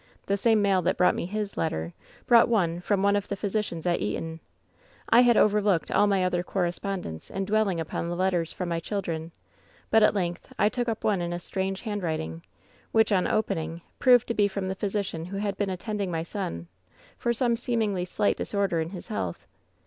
The same mail that brought me his letter brought one from one of the physicians at Eton. I had overlooked all my other correspondence in dwelling upon the letters from my children; but at length I took up one in a strange handwriting which, on opening, proved to be from the physician who had been attending my son for some seemingly slight disorder in his health.